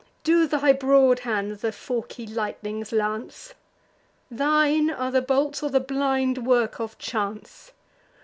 Do thy broad hands the forky lightnings lance? Thine are the bolts, or the blind work of chance?